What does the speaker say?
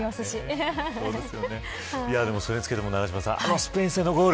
それにつけても、永島さんあのスペイン戦のゴール。